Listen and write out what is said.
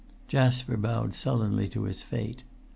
Jasper bowed sullenly to his fate.